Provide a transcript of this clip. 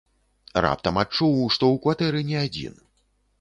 Раптам адчуў, што ў кватэры не адзін.